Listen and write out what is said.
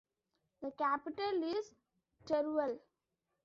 The capital is Teruel.